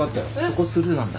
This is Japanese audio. そこスルーなんだ。